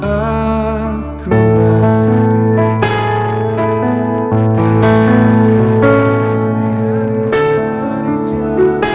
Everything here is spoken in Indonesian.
tapi saya tidak percaya